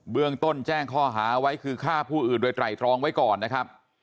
เรื่องต้นแจ้งข้อหาไว้คือฆ่าผู้อื่นโดยไตรตรองไว้ก่อนนะครับ